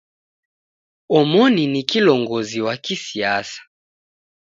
Omoni ni kilongozi wa kisiasa.